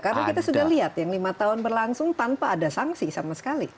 karena kita sudah lihat yang lima tahun berlangsung tanpa ada sanksi sama sekali